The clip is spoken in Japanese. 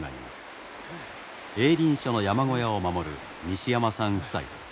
営林署の山小屋を守る西山さん夫妻です。